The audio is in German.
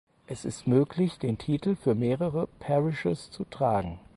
Es ist möglich den Titel für mehrere Parishes zu tragen.